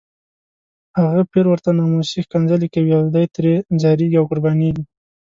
هغه پیر ورته ناموسي ښکنځلې کوي او دی ترې ځاریږي او قربانیږي.